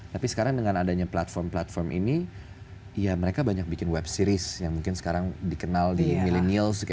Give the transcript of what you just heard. tapi sekarang dengan adanya platform platform ini ya mereka banyak bikin web series yang mungkin sekarang dikenal di millennials